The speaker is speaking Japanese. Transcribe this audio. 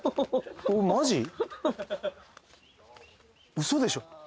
ウソでしょ？